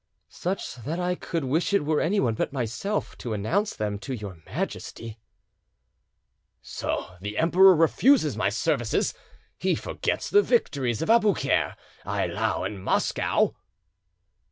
"Such that I could wish it were anyone but myself to announce them to your Majesty——" "So the Emperor refuses my services! He forgets the victories of Aboukir, Eylau, and Moscow?"